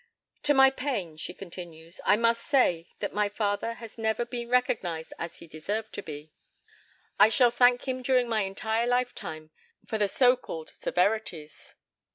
"To my pain," she continues, "I must say that my father has never been recognized as he deserved to be. I shall thank him during my entire lifetime for the so called severities.